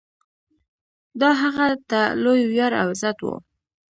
دا هغه ته لوی ویاړ او عزت و.